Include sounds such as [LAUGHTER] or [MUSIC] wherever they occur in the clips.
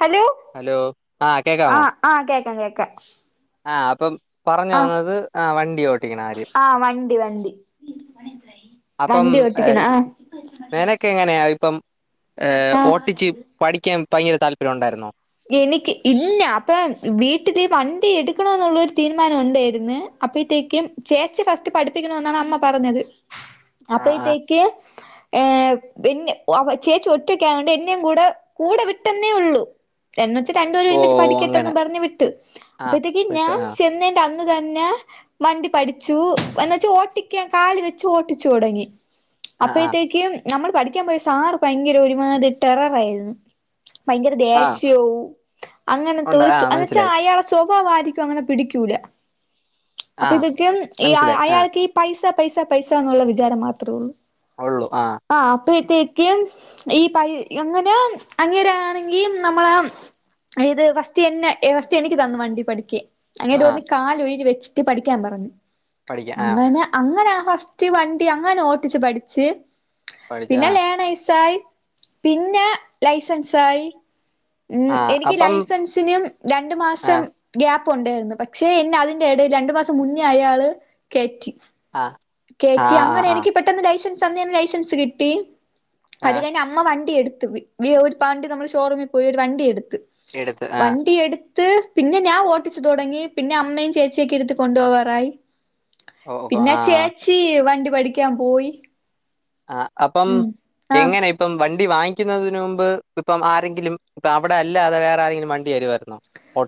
Hello hello ആ ആഹ് ആഹ് കേക്കാം കേക്കാം ആഹ് അപ്പം പറഞ്ഞു ആഹ് വന്നത് ആഹ് വണ്ടി ഓട്ടിക്കണ കാര്യം ആഹ് വണ്ടി വണ്ടി അപ്പം വണ്ടി ഓട്ടിക്കണം ആഹ് മേനക്കെ എങ്ങനെയാ ഇപ്പം ഏഹ് ആഹ് ഓട്ടിച്ച് പഠിക്കാൻ ഭയങ്കര താല്പര്യം ഉണ്ടായിരുന്നോ എനിക്ക് ഇല്ലാ അപ്പൊ വീട്ടില് വണ്ടി എടുക്കണന്നുള്ളരു തീരുമാനം ഉണ്ടായിരുന്ന അപ്പഴത്തേക്കും ചേച്ചി ഫസ്റ്റ് പഠിപ്പിക്കണ എന്നാണ് അമ്മ പറഞ്ഞത് ആ ആ അപ്പയത്തേക്ക് ഏഹ് പിന്നെ ചേച്ചി ഒറ്റയ്ക്ക ആയൊണ്ട് എന്നയും കൂടെ കൂടെ വിട്ടെന്നേ ഉള്ളൂ എന്ന് വച്ച് രണ്ടുപേരും ഓ ഒരുമിച്ച് അങ്ങനെ പഠിക്കട്ടെന്ന് പറഞ്ഞ് വിട്ട് ആ അപ്പഴത്തേക്ക് വിട്ട് ഞാൻ ആ ചെന്നതിന്റെ അന്ന് തന്നെ വണ്ടി പഠിച്ചു എന്ന് വെച്ച ഓട്ടിക്കാൻ കാലി വെച്ച് ഓട്ടിച്ചു തുടങ്ങി ആ ആ അപ്പോഴത്തേക്കും നമ്മൾ പഠിക്കാൻ പോയ സാർ ഭയങ്കര ഒരു മാതിരി ടെറർ ആയിരുന്നു ഭയങ്കര ദേ ആ ഷ്യവും അങ്ങനത്തെ ഉണ്ട് ഒരു ആ എന്ന വച്ചാ മനസ്സിലായി അയാടെ സ്വഭാവം ആർക്കും അങ്ങനെ പിടിക്കൂല ആ അപ്പൊ ഇതൊക്കെ ഈ മനസ്സിലായി ആ അയാൾക്ക് ഈ പൈസ പൈസ പൈസന്നുള്ള വിചാരം മാത്രേ ഉള്ളൂ ഉള്ളൂ ആഹ് അപ്പോഴത്തേക്ക് ഈ പ അങ്ങന അങ്ങേര് ആണെങ്കിൽ നമ്മള ഇത് ഫസ്റ്റ്തന്നെ ഫസ്റ്റ് എനിക്ക് തന്നു വണ്ടി പഠിക്കാൻ അങ്ങേര് ആ പറഞ്ഞു കാല് ഒഴി വെച്ചിട്ട് പഠിക്കാൻ പറഞ്ഞു പഠിക്കാം ആ അങ്ങനെ അങ്ങനാ ഫസ്റ്റ് വണ്ടി അങ്ങനെ ഓട്ടിച്ചു പഠിച്ചു പഠിച്ച ആ പിന്നെ ലേണസായി പിന്നെ ലൈസൻസായി ഉം ആ എനിക്ക് അപ്പം ലൈസൻസിനും രണ്ട് ആ മാസം ഗ്യാപ് മുണ്ടായിരുന്നു പക്ഷെ എന്നെ അതിന്റെറെ ഇടേൽ രണ്ടു മാസം മുന്നേ അയാള് കേറ്റി ആ ആ കേറ്റി അങ്ങനെ ആ ആ എനിക്ക് പെട്ടെന്ന് ലൈസൻസ് അന്ന് തന്നെ ലൈസൻസ് കിട്ടി ആ അത് കഴിഞ്ഞ് അമ്മ വണ്ടി എടുത്ത് വി വി ഒരു വണ്ടി നമ്മൾ ഷോറൂമിൽ പോയി ഒരു വണ്ടി എടു ത്ത് എടുത്ത് ആ വണ്ടി എടു ത്ത് പിന്നെ ഞാൻ ഓട്ടിച്ചു തുടങ്ങി പിന്നെ അമ്മയും ചേച്ചിയക്കെ ഇടുത്ത് കൊണ്ടുപോവാറായി ഓ പിന്നെ ആഹ് ചേച്ചി വണ്ടി പഠിക്കാൻ പോയി ആഹ് അപ്പം ഉം ആഹ് എങ്ങനെ ഇപ്പം വ വണ്ടി വാങ്ങിക്കുന്നതിന് മുമ്പ് ഇപ്പം ണ്ടി ണ്ടി വാങ്ങിക്കുനതിന് മുൻപ് ഇപ്പം ആരെങ്കിലും അവിടെ അല്ലാതെ വേറെ ആരെങ്കിലും വണ്ടി തരുവമായിരുന്നോ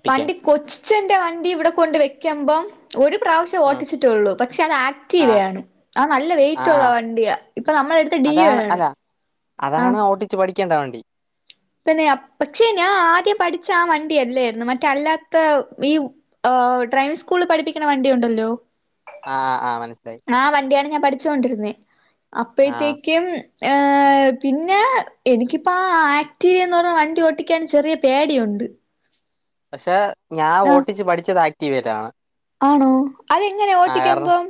വണ്ടി കൊച്ചച്ചന്റെ വണ്ടി ഇവിടെ കൊണ്ട് വെക്കുമ്പം ഒരു പ്രാവശ്യം ഉം ഓട്ടിച്ചിട്ടുള്ളൂ പക്ഷെ അത് ആഹ് ആക്റ്റീവയാണ് അത് നല്ല ആഹ് വെയിറ്റുള്ള ആഹ് വണ്ടിയാ ഇപ്പൊ നമ്മള് എടുത്ത ഡി ഒ അതാണ് ആണ് അല്ല അതാണ് ആഹ് [UNINTELLIGIBLE] വണ്ടി പിന്നെ പക്ഷേ ഞാൻ ആദ്യം പഠിച്ച ആ വണ്ടിയല്ലായിരുന്നു മറ്റല്ലാത്ത ഈ ഒ ഡ്രൈവിംഗ് സ്കൂളിൽ പഠിപ്പിക്കണ വണ്ടി ഉണ്ടല്ലോ ആഹ് ആഹ് മനസ്സി ആ വണ്ടിയാണ് ഞാൻ പഠിച്ചോണ്ടിരുന്നേ ആഹ് അപ്പഴ്ത്തേക്കും ഏ പിന്ന എനിക്കിപ്പ ആ ആക്ടീവയെന്ന് പറയണ വണ്ടി ഓട്ടിക്കാൻ ചെറിയ പേടിയുണ്ട് പക്ഷെ ഞാൻ ആ ഓട്ടിച്ച് പഠിച്ചത് ആക്ടീവേലാണ് ആണോ അതെങ്ങനെയ ഓട്ടിക്കുമ്പം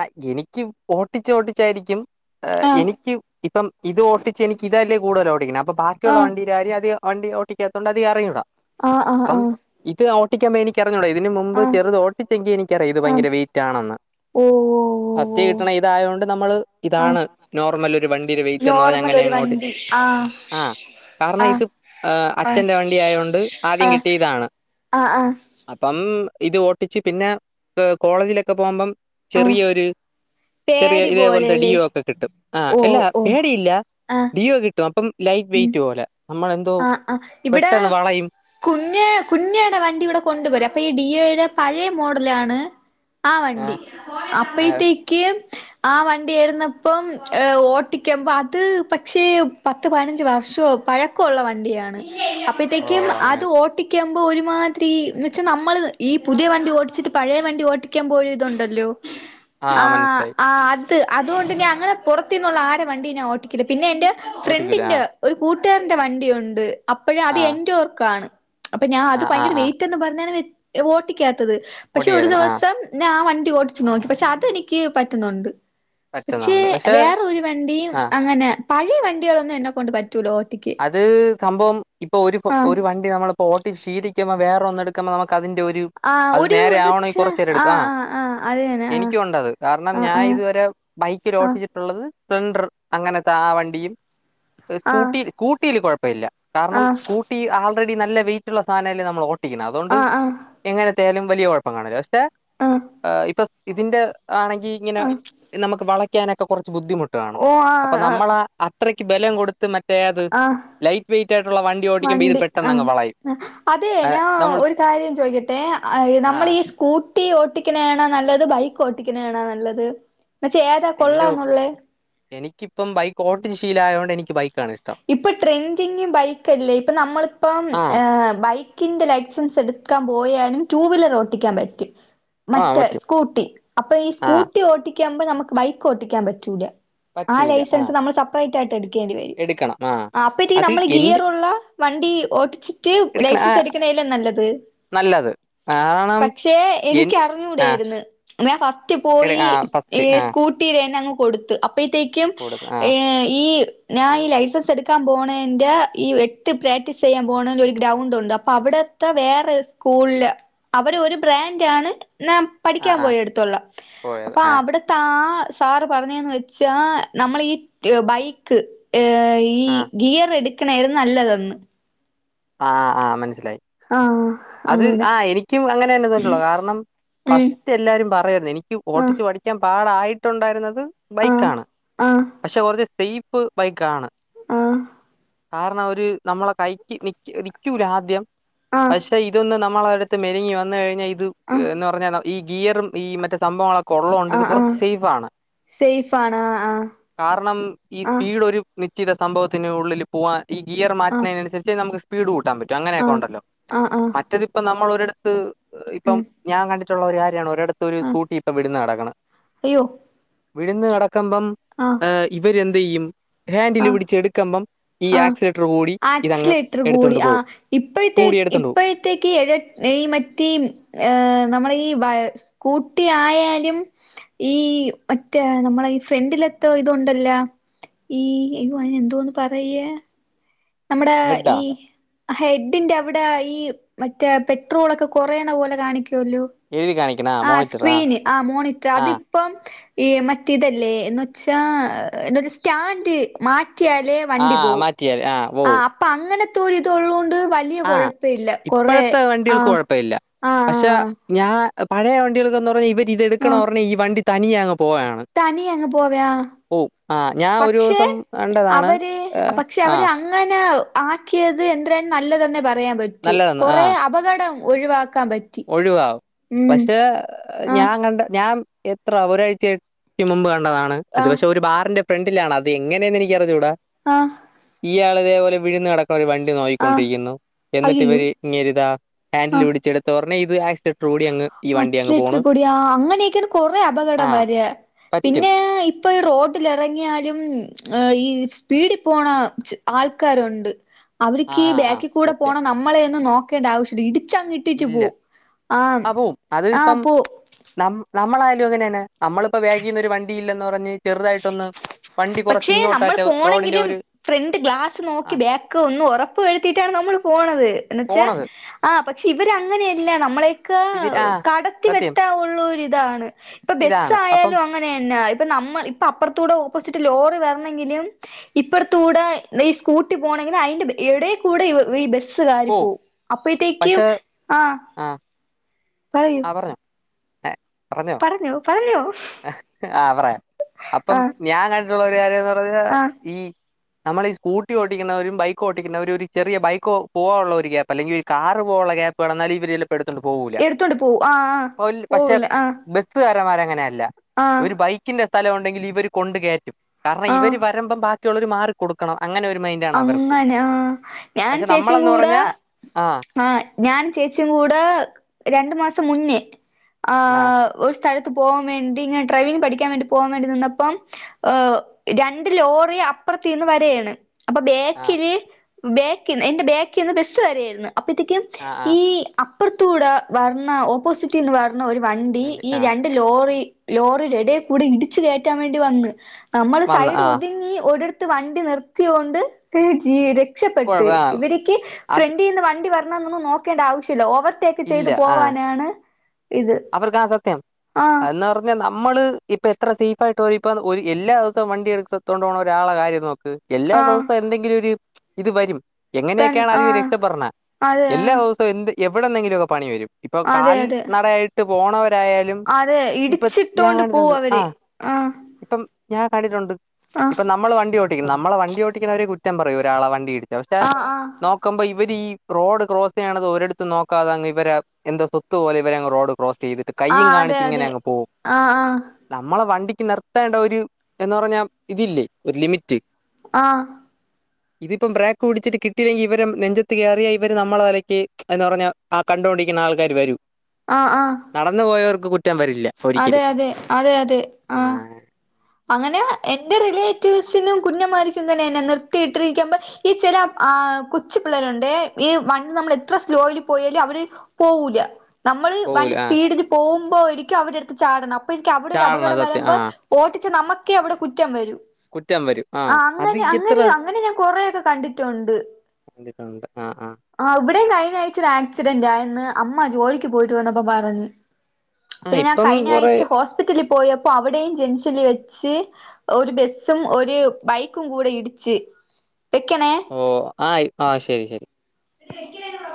ആ എനിക്ക് ഓട്ടിച്ച് ഓട്ടിച്ചായിരിക്കും ആ എനിക്ക് ഇപ്പം ഇത് ഓട്ടിച്ച് എനിക്ക് ഇതല്ലേ കൂടുതൽ ഓടിക്കണെ അപ്പൊ ബാക്കിയുള്ള ആ വണ്ടീര കാര്യം അധികം അത് വണ്ടി ഓട്ടിക്കാത്തൊണ്ട് അധികം അറിഞ്ഞൂട ആഹ് ആഹ് ആഹ് ഓട്ടിക്കുമ്പോ എനിക്കറിഞ്ഞൂട ഇതിന് മുമ്പ് ചെറുത് ഓട്ടിച്ചെങ്കിൽ എനിക്കറിയാം ഇത് ആഹ് ആഹ് ഭയങ്കര വെയിറ്റാണെന്ന് ഓ ഓ ഓ ഫസ്റ്റ് കിട്ടണ ഇതായോണ്ട് നമ്മള് ആഹ് ഇതാണ് നോർമൽ ഒരു വണ്ടി ഒരു വെയിറ്റ്ന്ന് പറഞ്ഞ് നോർമൽ അങ്ങനെ ഒരു അങ്ങ് ഓട്ടിച്ച് വണ്ടി ആഹ് ആ കാരണം ആഹ് ഇത് ആഹ് അച്ഛന്റെ വണ്ടി ആയൊണ്ട് ആദ്യം ആഹ് കിട്ടിയിതാണ് ആഹ് ആഹ് അപ്പം ഇത് ഓട്ടിച്ച് പിന്നെ കോളേജിലൊക്കെ പോകുമ്പം ആഹ് ചെറിയൊരു ചെറിയ പേടി ഇതേ പോൽത്തെ പോലെല്ലേ ഡിയോ ഒക്കെ കിട്ടും ആ ഓ അല്ല ഓ പേടിയില്ല ആഹ് ഡിയോ കിട്ടും അപ്പം ലൈറ്റ് ഉം വെയിറ്റ് പോലാ ആഹ് ആഹ് ഇവ്ടെ കുഞ്ഞ് കുഞ്ഞാടാ വണ്ടി ഇവെടെ കൊണ്ട് വെരാ അപ്പ ഈ ഡിയോയുടെ പഴെ മോഡലാണ് ആ ഏ വണ്ടി ഏ അപ്പഴ്ത്തേക്കും ആ വണ്ടിയായിര്ന്നെപ്പം ഏഹ് ഓട്ടിക്ക്മ്പം അത് പക്ഷേ പത്ത് പതിനഞ്ച് വർഷ ഷും പഴക്കുള്ള വണ്ടിയാണ് ഓ അപ്പഴ്ത്തേക്കും അത് അങ്ങനെ ഓട്ടിക്ക് ക്കെ ആവുമ്പം ഒര്മാതിരി ഇന്ന് വെച്ചാ നമ്മെൾ ഈ പുതിയ വണ്ടി ഓട്ടിച്ചിട്ട് പഴെ വണ്ടി ഓട്ടിക്കുമ്പോ ഒര് ഇത് ഉണ്ടല്ലോ ആ ആഹ് മനസ്സിലായി ആഹ് അത് അതുകൊണ്ട് ഞാൻ അങ്ങനെ പൊറത്തീന്നുള്ള ആരെ വണ്ടീം ഞാൻ ഓട്ടിക്കൂലാ പിന്നെ എന്റെ ഓട്ടിക്കൂല ഫ്രണ്ടിന്റെ ആ ഒര് കൂട്ട് ന്റെ വണ്ടി ഉണ്ട്. അപ്പഴ് അത് ആ എന്റോർക്കാണ് അപ്പ ഞാ അത് ആ ആ ഭയങ്കര ആ വെയിറ്റ് എന്ന് പറഞ്ഞാൽ വെ ഓട്ടിക്കാത്തെത് പക്ഷെ ഒര് ഓടിയായിരുന്നു. ആ ദിവ്സം നാ ആ വൺ ണ്ടി ഓട്ടിച്ച് നോക്കി പക്ഷെ അത് എനിക്ക് പറ്റ്ന്നുണ്ട് പക്ഷേ പറ്റുന്നുണ്ട്. പക്ഷെ വേറൊര് വണ്ടിയും ആ അങ്ങനെ പഴെ വണ്ടികളൊന്നും എന്നെ കൊണ്ട് പറ്റൂല ഓ അത് സംഭവം ഇപ്പം ഒര് ഇപ്പം ആഹ് ഒര് വണ്ടി നമ്മളിപ്പം ഓട്ടി ശീലിക്കുമ്പം വേറൊന്ന് എട്ക്കുമ്പം നമ്മ് ക്ക് അതിന്റെ ഒര് ആഹ് അത് ഒരു നേരെ എന്ന് ആവണെങ്കി വച്ചാ കൊറ്ച്ചേരം എട്ക്കും ആഹ് അത് തന്നെ എനിക്കും ഉണ്ട് ആഹ് അത് കാര്ണം ഞാൻ ആഹ് ഇത് വെരെ ബൈക്കിൽ ആഹ് ഓട്ടിച്ചിട്ട് ഒള്ളെത് സ്പ്ലെണ്ടെർ അങ്ങനത്തെ ആ വണ്ടിയും ആഹ് കൂട്ടീല് കൊഴപ്പില്ല. കാരണം ആഹ് സ്കൂട്ടി ആൾറെഡി നല്ല വെയിറ്റുള്ള സാധനല്ലെ നമ്മൾ ഓട് ട്ടിക്ക്ണെ അതോണ്ട് ആഹ് ആഹ് എങ്ങനെത്തെ ആയാലും വലിയ കൊഴപ്പം കാണ്ല. പക്ഷേ ആഹ് ഇപ്പൊസ്‌ ഇതിന്റെ ആണെങ്കി ഇങ്ങനെ ആഹ് നമുക്ക് വളയ്ക്കാനൊക്കെ കുറച്ച് ബുദ്ധിമുട്ട് കാണും. ഓ ആഹ് അപ്പൊ ആഹ് നമ്മള അ ത്രയ്ക്ക് ബലം കൊടുത്ത് മറ്റേ അത് ആഹ് ലൈറ്റ് വെയിറ്റ് ആയിട്ടുള്ള ഓടിക്കുമ്പോ ഇത് വണ്ടി പെട്ടെന്നങ്ങ് ആഹ് വളയും അതെ ആഹ് ഞാൻ നമ്മൾ ഒരു കാര്യം ചോയിക്കട്ടെ ആയ് നമ്മൾ ആഹ് ഈ സ്കൂട്ടി ഓട്ടിക്ക്നേണോ നല്ലത് ബൈക്ക് ഓട്ടിക്ക്നേണോ നല്ലത്? ന്നുവച്ചാ ഏതാ കൊള്ളാന്നൊള്ളേ? ക്കിയ്പ്പം ബൈക്ക് ഓട്ടിച്ച് ശീലായോണ്ട് എനിക്ക് ബൈക്ക് ഇപ്പൊ ട്രെൻഡിങ് ബൈക്കല്ലേ. ഇപ്പൊ നമ്മളിപ്പം ആഹ് ഏഹ് ബൈക്ക് ക്കിന്റെ ലൈസൻസ് എടുക്കാൻ പോയാലും ടൂ വീലർ ഓട്ടിക്കാൻ പറ്റും. ആഹ് മറ്റേ പറ്റും സ്കൂട്ടി. അപ്പൊ ഈ ആഹ് സ്കൂട്ടി ഓട്ടിക്കാമ്പോ നമുക്ക് ബൈക്ക് ഓട്ടിക്കാൻ പറ്റൂല ആ പറ്റൂല ആഹ് ലൈസൻസ് നമ്മൾ സെപ്പറേയ്റ്റ് ആയിട്ട് എടുക്കേണ്ടി വരും. ആഹ് അപ്പഴ്ത്തേക്ക് അത് നമ്മള് എന്റെ ഗിയറൊള്ള വണ്ടി ഓട്ടിച്ചിട്ട് എടുക്കണം ലൈസൻസ് ആഹ് എടുക്കണേല്ലെ നല്ലത്? നല്ലത് കാരണം പക്ഷെ എൻ ആഹ് എനിക്കറിഞ്ഞൂടെര്ന്ന്. ഞാൻ ഫസ്റ്റ് എട് പോയി ആഹ് ഈ ഫസ്റ്റ് ആഹ് സ്കൂട്ടിരന്ന അങ്ങ് കൊടുത്ത്. അപ്പഴ്ത്തേക്കും കൊടു ആഹ് ഏഹ് ഈ ഞാൻ ഈ ലൈസൻസ് എച്ച് എടുക്കാൻ പോണെന്റെ ഈ എട്ട് പ്രാക്ടീസ് ചെയ്യാൻ പോണ ഒരു ഗ്രൗണ്ട് ഉണ്ട് അപ്പൊ അവിടത്തെ വേറെ സ്കൂളില് അവര് ഒരു ബ്രാൻഡ് ആണ് നാൻ പഠിക്കാൻ ആഹ് ആഹ് പോയെടുത്തുള്ള പോയത് അപ്പൊ ആഹ് അവിടുത്താ സാർ പറഞ്ഞേന്ന്‌ വെച്ചാ നമ്മളീ ബൈക്ക് ആ ഈ ആഹ് ഗിയർ എടുക്കണേരുന്നു നല്ലതെന്ന് ആഹ് ആഹ് മനസ്സിലായി ആഹ് അത് അങ്ങനെ ആ എനിക്കും അങ്ങനെ എന്നതോ ഉള്ളു കാരണം ഉം ഫസ്റ്റ് എല്ലാരും പറയായിരുന്നു എനിക്ക് ആഹ് ഓട്ടിച്ചു പഠിക്കാൻ പാടായി യിട്ടുണ്ടായിരുന്നത് ആഹ് ബൈക്കാണ് ആഹ് പക്ഷെ കുറച്ച് സ്റ്റെയിപ് ബൈക്കാണ് ആഹ് കാരണം അവര് നമ്മളെ കൈക്ക് നിക്ക് നിക്കൂല ആദ്യം ആഹ് പക്ഷെ ഇതൊന്ന് നാ മ്മളെടുത് മെരിങ്ങി വന്നു കഴിഞ്ഞാൽ ഇത് ആഹ് എന്ന് പറഞ്ഞാ ഈ ഗിയറും ഈ മറ്റേ സംഭവങ്ങളൊ കൊള്ളോണ്ട് ഇത് ആഹ് കുറച്ച് ആഹ് സേഫാണ് സേഫാണ് ആഹ് കാരണം ഈ ആഹ് സ്പീഡ് ഒരു നിശ്ചിത സംഭവത്തിനുള്ളിൽ പോവാൻ ഈ ഗിയർ ആഹ് മാറ്റണേനനുസരിച്ചേ നമുക്ക് സ്പീഡ് കൂടും താൻ പറ്റും അങ്ങനെയൊക്കെ ആഹ് ഉണ്ടല്ലോ ആഹ് ആഹ് മറ്റതിപ്പോ നമ്മൾ ഒരിടത്ത് ഇപ്പം ഉം ഞാൻ കണ്ടി ട്ടുള്ളൊരു കാര്യാണ് ഒരിടത്തൊരു ആഹ് സ്കൂട്ടി ഇപ്പോ വിഴുന്നുകിടക്കണ് അയ്യോ വിഴുന്നു കിട ക്കമ്പോ ആഹ് ആ ഇവരെന്ത് ചെയ്യും ഹാൻഡില് ആഹ് പിടിച്ച് എടുക്കുമ്പം ഈ ആക്സിലേറ്റർ കൂടി ഇതങ്ങ് എടുത്തോണ്ട് ആ പോവും ഇപ്പോഴത്തെ കൂടി എടുത്തോണ്ട് പോവും ഇപ്പോഴത്തേക്ക് ഏഴു ഈ മറ്റേ ആ നമ്മള ഈ വാ സ്കൂട്ടി ആയാലും ഈ മറ്റേ നമ്മളെ ഈ ഫ്രണ്ടിലെത്തെ ഇതുണ്ടല്ലോ [UNINTELLIGIBLE] ഈ ഇയോ അതിനെന്തൊന്നു പറയ്യാ നമ്മുടെ ഹെഡാ ഈ ഹെഡിന്റെ അവിടയായി ഈ മറ്റേ പെട്രോൾ ഒക്കെ കൊറയണ പോലെ കാണിക്കുവല്ലോ എഴുതി കാണിക്കണ ആ മോണിറ്റർ സ്ക്രീന് ആ മോണിറ്റർ ആ അതിപ്പം ഈ മറ്റേ ഇതല്ലേ എന്ന് വെച്ചാ എന്നുവെച്ചാൽ സ്റ്റാൻഡ് മാ റ്റിയാലേ ആ വണ്ടി പോവും മാറ്റിയാൽ ഓ ആ അപ്പൊ അങ്ങനത്തെ ഒരു ഇത് ഉള്ളോണ്ട് വലിയ ആ കൊഴപ്പ ഇല്ല കൊറെ ഇപ്പോഴത്തെ ആ വണ്ടികൾക്ക് കുഴപ്പമില്ല ആ പക്ഷെ ആ ഞാ പഴയ വണ്ടികൾക്കെന്ന്‌ പറഞ്ഞാ ഇവരിത് ആ എടുക്കണോടനേ ഈ വണ്ടി തനിയെ അങ്ങ് പോവാണ് തനിയെ അങ്ങ് പോവയാ പോവും ആ ഞാൻ ഒരു പക്ഷെ ദിവസം കണ്ടതാണ് അവര് ഏഹ്, പക്ഷെ ആ അവര് അങ്ങനെ ആക്കിയത് എദ്രേം നല്ലതന്നെ പറയാൻ പറ്റൂ നല്ലതെന്ന് ആ കൊറേ അപകടം ഒഴിവാ ഒഴിവാവും പക്ഷേ ആഹ് ഞാൻ കണ്ട ഞാൻ എത്ര ഒരാഴ്ചക്ക് മുമ്പ് കണ്ടതാണ് അത് ആഹ് പക്ഷെ ഒരു ബാറിന്റെ ഫ്രണ്ടിലാണ് അത് എങ്ങനെയെന് എനിക്കറിഞ്ഞുട ആ ഇയാൾ ഇതേ പോലെ വിഴുന്ന് കെട വണ്ടി ആഹ് നോയികൊണ്ടിരിക്കുന്നു എന്നിട്ട് അയ്യയ്യോ ഇവര് ഇങ്ങേരുട ഹാൻഡിൽ പിടിച്ചെടുത്ത് ഒടനെ ഇത് ആക്സി അച്ചലേറ്റർ കൂടിയാ അങ്ങനെയൊക്കെയാണ് കൊറെ ആ അപകടം വരാ പറ്റും പിന്നെ ഇപ്പൊ ഈ റോട്ടിൽ ഇറങ്ങിയാലും ഈ സ്പീഡിൽ പോണ ആൾക്കാരുണ്ട് ആ അവരിക്ക് ഈ ആ ബാക്കി കൂടെ സത്യം പോണം നമ്മളെ ഒന്നും നോക്കേണ്ട ആവശ്യ ഇടിച്ചങ് ഇട്ടിട്ട് ഇല്ല പോവും ആഹ് ആ പോവും അത് ആഹ് ഇപ്പം പോ നാം നാ നമ്മളാലും അങ്ങനെന്നെ നമ്മളിപ്പോ വേഗിനൊരു വണ്ടി ഇല്ലന്ന് പറഞ്ഞ് ചെറുതായിട്ടൊന്ന് വണ്ടി കുറച്ച് പക്ഷെ നമ്മള് ഇങ്ങോട്ടാറ്റ റോഡിന്റെ പോണെങ്കിലും ഒരു ഫ്രണ്ട് ഗ്ലാസ് ആ നോക്കി ബാക്ക് ഒന്ന് ഉറപ്പുവരുത്തിയിട്ടാണ് നമ്മള് നമ്മള് പോണത് എന്നുച്ച് പോണത് ആ പ പക്ഷെ ഇവരങ്ങനെയല്ല നമ്മളെയൊക്കെ ഇവര് ആ കടത്തി സത്യം വെട്ടാനുള്ളൊരു ഇതാണ് ഇപ്പൊ ഇതാണ്. അപ്പം ബെസ്സായാലും അങ്ങനെന്നെ ഇപ്പൊ നമ്മള് ഇ ഇപ്പർത്തൂടെ ഓപ്പോസിറ്റ് ലോറി വരാണെങ്കിലും ഇപ്പർത്തൂടെ നിസ്കൂട്ടി പോണെങ്കിൽ അയിന്റെ എടെ എ കൂടെ ഈ ബസ് കേറി പോവും അപ്പഴത്തേക്ക് പക്ഷേ ആ ആ പറ്ഞ്ഞോ ഏഹ് പറ്ഞ്ഞോ പറഞ്ഞോ പറഞ്ഞോ ആഹ് പറയാം അപ്പം ആഹ് ഞാൻ അ ട്ടാരെ പറ്ഞ്ഞാ ആഹ് മ് നമ്മള് ഈ സ്കൂട്ടി ഓടിക്കുന്നവരും ബൈക്ക് ഓടിക്കുന്നവരും ഒരു ചെറിയ ബൈക്കൊ പോവാനുള്ള ഒരു ഗ്യാപ്പ് അല്ലെങ്കില് ഒരു കാർ പോവാള്ളെ ര് ഗ്യാപ്പ് വാണം എന്നാല് ഇവര് ചെലപ്പോ എടുത്തോണ്ട് പോവൂല എടുത്തോണ്ട് പോവും ആഹ് ആഹ് പോല് പക്ഷെ പോവൂല ആഹ് ബസ് [UNINTELLIGIBLE] അങ്ങനെയല്ല ആഹ് ഒരു ബൈക്കിന്റെ സ്ഥലം ഒണ്ടെങ്കില് ഇവര് കൊണ്ട് കേറ്റും കാറണം ആഹ് ഇവര് വരുമ്പം ബാ റ്റുള്ളോര് മാറികൊടുക്കണം അങ്ങനാ ഞാൻ പക്ഷേ ചേച്ചി നമ്മളെന്ന് കൂടെ പറഞ്ഞാ ആ, ആഹ് ഞാന് ചേച്ചിം കൂടെ രണ്ടു മാസ ക്ക് മുന്നേ ആ ഒരു സ്ഥല ക്ക്. പോവാൻ വേണ്ടി ഞാന് ഡ്രൈവിംഗ് പഠിക്കാൻ വേണ്ടി പോവാൻ വേണ്ടി നിന്നപ്പം രണ്ട് ലോറി അ അപ്പുറത്തീന്ന് വരേണ് അപ്പൊ ആ, ബേക്കില് ബേക്കിന്ന് എന്റെ ബേക്കിന്ന് ബസ്സ് വരേരുന്ന് അപ്പഴത്തേക്കും ആ, ആ, ഈ അപ്പുറത്തൂടെ വറ്ണ ഓപ്പോസിറ്റീന്ന് വറ് ണ ഒരു വണ്ടി ഉണ്ട്. ഈ ആ, രണ്ട് ലോറി ലോറിയുടെ എടെ കൂടെ ഇടിച്ചു കയറ്റാൻ വേണ്ടി വന്ന് നമ്മള് വന്ന്. സൈഡ് ആ, ഒതുങ്ങി ഒരിടത്ത് വണ്ടി നിർത്തിയോണ്ട് ജീ കുഴ ക്ഷപ്പെട്ട് ആ ഇവരിക്ക് അത് ഫ്രണ്ടീന്ന് വണ്ടി വരണൊന്നുന്നും നോക്കേണ്ട ആവശ്യല്ല ഓവറ് ടേക്ക് ചെയ്ത് പോവാനാണ് ഇത് അവർക്ക ആ സത്യം ആഹ് എന്ന് പറഞ്ഞ് ന മ്മള് ഇപ്പൊ എത്ര സേഫായിട്ടൊരു ഇപ്പ ഒര് എല്ലാ ദിവസവും വണ്ടി എടുക്കത്തോണ്ട് പോണ ഒരാളെ കാര്യം നോക്ക് എല്ലാ ആഹ് ദിവസവും എന്തെങ്കിലും ഒരു ഇത് വരും തൻ എങ്ങനെയൊക്കെയാണ് അതിന് ആഹ് രക്ഷപ്പെട്ണെ അതെ എല്ലാ ആഹ് ദിവസവും എന്ത് എവിടെന്നങ്കിലും ഒക്കെ പണി വരും ഇപ്പൊ അതെ അതെ കാൽനടയായിട്ട് പോണവന് ട്ടയാലും അതെ ഇപ്പൊ ഞാൻ ഇടിച്ചിട്ടോണ്ട് പോവും കണ്ടിട്ടുണ്ട് ആ അവര് ആഹ് ഇപ്പം ഞാൻ കണ്ടിട്ടുണ്ട് ഇപ്പൊ ആഹ് നമ്മള് വണ്ടി ഓടിക്ക്ന്ന് നമ്മളെ വണ്ടി ഓടിക്കുന്നവരെ കുറ്റം പറയു ഒരാളെ വണ്ടി ഇടി വ്യവസ്ഥ ആഹ് ആഹ് നോക്കുമ്പോ ഇവര് ഈ റോഡ് ക്രോസ് ചെയ്യ്ണത് ഒരിടത്ത് നോക്കാതെ അങ്ങ്‌ ഇവരാഎന്തൊ സ്വത്തു പോലെ ഇവര്ങ് റോഡ് ക്രോസ് ചെയ്തിട്ട് കയ്യും ആഹ് അതെ കാണിച്ച് ഇങ്ങനെ അതെ അങ്ങ് പോവും ആഹ് നമ്മള വണ്ടി നിർത്തേണ്ട ഒരു എന്ന് പറഞ്ഞാ ഇതില്ലേ ഒരു ലിമിറ്റ് ആഹ് ഇതിപ്പം ബ്രേക്ക് പിടിച്ചിട്ട് കിട്ടിയില്ലെങ്കിൽ ഇവരെ നെഞ്ചത്ത് കേറിയ ഇവര് നമ്മളെ തലയ്ക്ക് എന്ന് പറഞ്ഞ ആ ക ണ്ടി ഓടിക്കുന്ന ആൾക്കാര് വരൂ ആഹ് ആഹ് നടന്നു പോയവർ അതെ അതെ അതെ അതെ ആ ആഹ് അങ്ങനെ എന്റെ റിലേറ്റീവ്സിനും കുഞ്ഞമാർക്കും തന്നെ എന്നെ നിർത്തിയിട്ടിരിക്കുമ്പോ ഈ ചെല ആ ആ കൊച്ചി പിള്ളേരുണ്ട് ഈ വണ്ടി നമ്മള് എത്ര സ്ലോയില് പോയാലും അവര് പോവൂല്ല നമ്മള് പോവൂല വണ്ടി ആ സ്പീഡില് പോവമ്പോ ഇനിക്കാ അവിരെട അടുത്ത് ചാടണം അപ്പൊ എനിക്ക് അവിടെ ഒരു ചാടണം അപകടം സത്യം വരുമ്പോ ആ ഓട്ടി ച്ച് നമ്മക്കെ അവിടെ കുറ്റം വരൂ കുറ്റം വരും ആ അത് അങ്ങനെ എത്ര അങ്ങനെയോ അങ്ങനെ ഞാന് കൊറേക്കെ കണ്ടിട്ടുണ്ട് കണ്ടിട്ടുണ്ട് ആ ആ ഇവിടെയും കഴിഞ്ഞ ആഴ്ച്ച ഒരു ആക്സിഡന്റ് ആയന്ന് അമ്മ ജോലിക്ക് പോയിട്ട് വന്നപ്പോ പറഞ്ഞ് ആ പിന്നെ ഞാൻ ഇപ്പം കൊറേ കഴിഞ്ഞാഴ്ച്ച ഹോസ്പിറ്റലി പോയപ്പോ അവിടെയും ജംഗ്ഷനില് വെ ച്ച് ഒരു ബസ്സും ഒരു ബൈക്കും കൂടെ ഇടിച്ച് വെക്കണേ ഓ ആയി ആ ശരി ശരി പി വെക്കല പ്ര